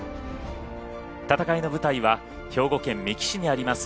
戦いの舞台は兵庫県三木市にあります